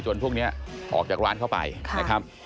จนพวกนี้ออกจากร้านเข้าไป